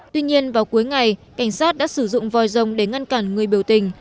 tuy nhiên vào cuối ngày cảnh sát đã sử dụng voi rồng để ngăn cản người biểu tình